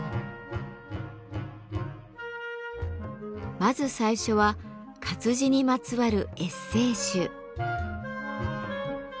まず最初は活字にまつわるエッセー集。